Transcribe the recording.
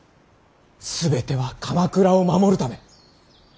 全ては鎌倉を守るため。